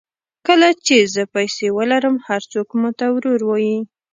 کله چې زه پیسې ولرم هر څوک ماته ورور وایي.